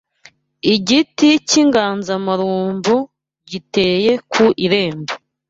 Igiti k’inganzamarumbu giteye ku irembo